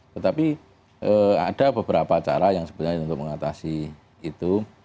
tetapi ada beberapa cara yang sebenarnya untuk mengatasi itu